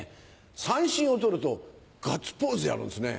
三振を取るとガッツポーズやるんですね。